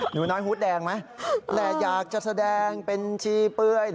หนูน้อยฮุดแดงไหมแต่อยากจะแสดงเป็นชีเปื้อย